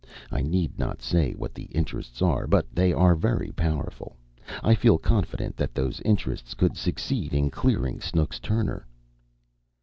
I need not say what the interests are, but they are very powerful. I feel confident that those interests could succeed in clearing Snooks Turner."